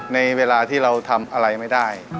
ในเวลาที่เราทำอะไรไม่ได้